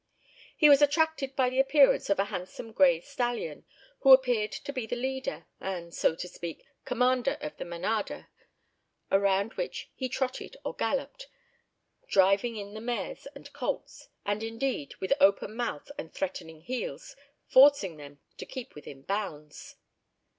He was attracted by the appearance of a handsome grey stallion, who appeared to be the leader and, so to speak, commander of the "manada," around which he trotted or galloped, driving in the mares and colts, and indeed, with open mouth and threatening heels, forcing them to keep within bounds.